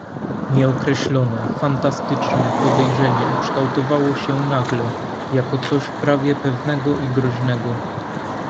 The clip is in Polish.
"Nieokreślone, fantastyczne podejrzenie ukształtowało się nagle jako coś prawie pewnego i groźnego."